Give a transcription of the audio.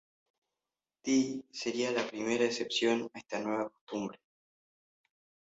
Tiy sería la primera excepción a esta nueva costumbre.